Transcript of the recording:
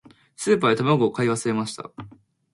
スーパーで卵を買い忘れました。